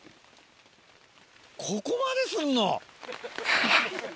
ここまですんの⁉はい。